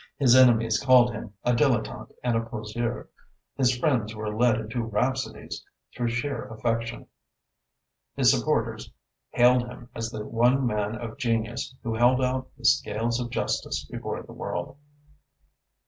His enemies called him a dilettante and a poseur. His friends were led into rhapsodies through sheer affection. His supporters hailed him as the one man of genius who held out the scales of justice before the world.